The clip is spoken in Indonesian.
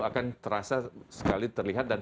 akan terasa sekali terlihat dan